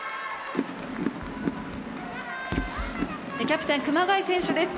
キャプテンの熊谷選手です。